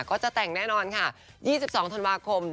ก็จะแต่งแน่นอนค่ะ๒๒ธันวาคม